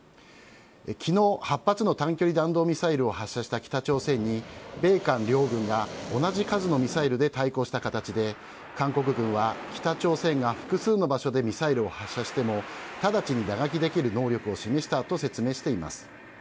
きのう８発の短距離弾道ミサイルを発射した北朝鮮に、米韓両軍が同じ数のミサイルで対抗した形で、韓国軍は北朝鮮が複数の場所でミサイルを発射しても、直ちに打撃できる能力を示したと説明しています。